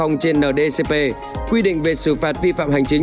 hai nghìn hai mươi trên ndcp quy định về xử phạt vi phạm hành chính